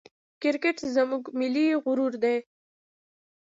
کرکټ زموږ ملي غرور دئ.